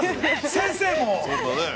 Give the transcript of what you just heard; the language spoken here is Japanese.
先生も。